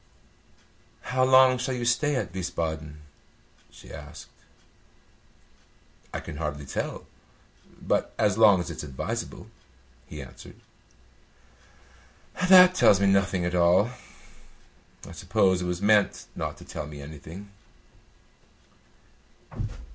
"How long shall you stay at Wiesbaden?" she asked. "I can hardly tell. But as long as it's advisable," he answered. "That tells me nothing at all. I suppose it was meant not to tell me anything."